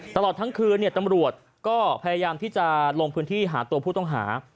ตลอดทั้งคืนตำรวจก็พยายามที่จะลงพื้นที่หาตัวผู้ต้องหา